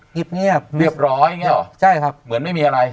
เงียบเหมือนไม่มีอะไร